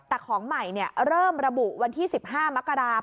แต่ของใหม่เริ่มระบุวันที่๑๕มกราคม